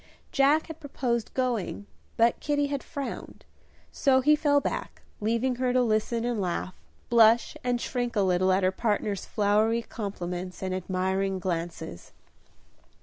Jack had proposed going, but Kitty had frowned, so he fell back, leaving her to listen and laugh, blush and shrink a little at her partner's flowery compliments and admiring glances.